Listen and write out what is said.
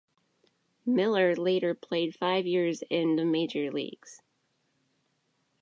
Miller later played five years in the major leagues.